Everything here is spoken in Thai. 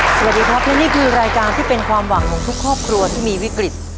สวัสดีครับและนี่คือรายการที่เป็นความหวังของทุกครอบครัวที่มีวิกฤต